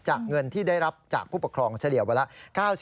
เงินที่ได้รับจากผู้ปกครองเฉลี่ยวันละ๙๐